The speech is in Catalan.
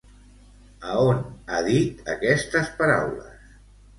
A on ha dit aquestes paraules?